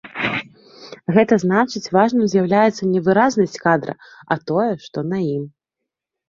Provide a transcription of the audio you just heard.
Гэта значыць важным з'яўляецца не выразнасць кадра, а тое, што на ім.